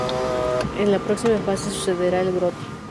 En la próxima fase sucederá el brote.